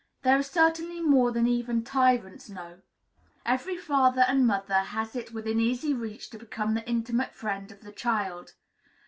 There are certainly more than even tyrants know! Every father and mother has it within easy reach to become the intimate friend of the child.